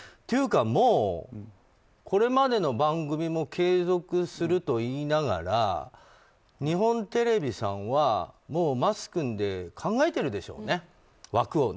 というか、もうこれまでの番組も継続すると言いながら日本テレビさんはもう桝君で枠を考えているでしょうね。